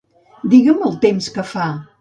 Digue'm el temps que fa.